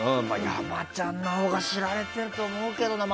山ちゃんのほうが知られてると思うけどな。